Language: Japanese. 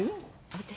私？